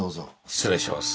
失礼します。